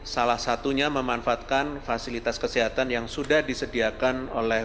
salah satunya memanfaatkan fasilitas kesehatan yang sudah disediakan oleh